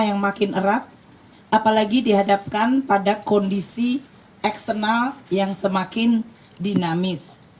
yang makin erat apalagi dihadapkan pada kondisi eksternal yang semakin dinamis